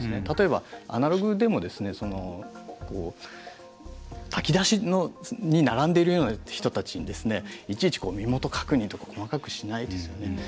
例えば、アナログでも炊き出しに並んでいるような人たちにいちいち、身元確認とか細かくしないですよね。